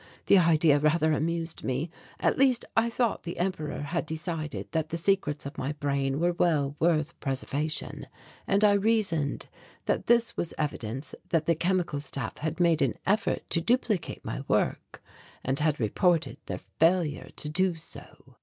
The idea rather amused me; at least, I thought, the Emperor had decided that the secrets of my brain were well worth preservation, and I reasoned that this was evidence that the Chemical Staff had made an effort to duplicate my work and had reported their failure to do so.